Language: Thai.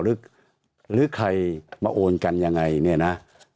หรือใครมาโอนกันยังไงเนี่ยนะ